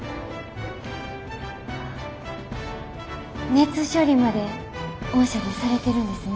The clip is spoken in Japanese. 熱処理まで御社でされてるんですね。